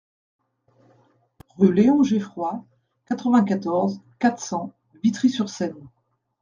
Rue Léon Geffroy, quatre-vingt-quatorze, quatre cents Vitry-sur-Seine